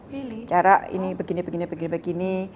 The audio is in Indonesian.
bicara ini begini begini begini begini